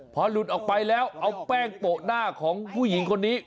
พอหลุดออกไปแล้วเอาแป้งโปะหน้าของผู้หญิงคนนี้